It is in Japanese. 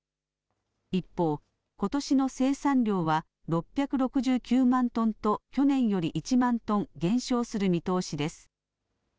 一方、ことしの生産量は６６９万トンと、去年より１万トン減少する見通しです。